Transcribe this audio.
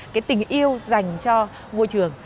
cái tình yêu dành cho ngôi trường